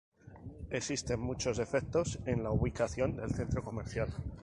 Existen muchos defectos en la ubicación del centro comercial.